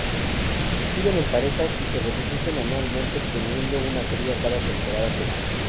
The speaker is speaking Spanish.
Viven en parejas y se reproducen anualmente, obteniendo una cría cada temporada seca.